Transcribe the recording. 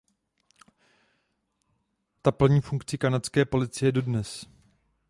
Ta plní funkci kanadské policie dodnes.